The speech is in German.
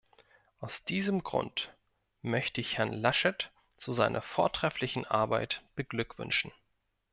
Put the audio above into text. Aus diesem Grund möchte ich Herrn Laschet zu seiner vortrefflichen Arbeit beglückwünschen.